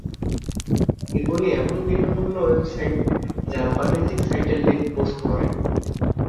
এগুলি এমন বিনামূল্যে ওয়েবসাইট যা বাণিজ্যিক সাইটের লিঙ্ক পোস্ট করে।